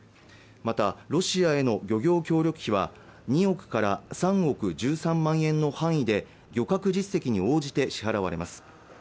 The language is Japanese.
またロシアへの漁業協力費は２億から３億１３万円の範囲で漁獲実績に応じて支払われます